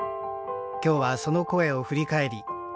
今日はその声を振り返り